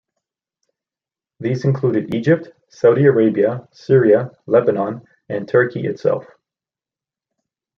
These included Egypt, Saudi Arabia, Syria, Lebanon and Turkey itself.